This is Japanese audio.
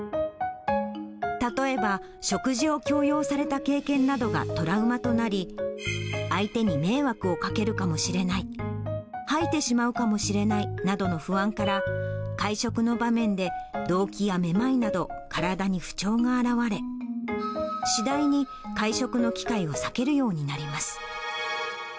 例えば、食事を強要された経験などがトラウマとなり、相手に迷惑をかけるかもしれない、吐いてしまうかもしれないなどの不安から会食の場面でどうきやめまいなど、体に不調が表れ、次第に会食の機会を避けるようになります。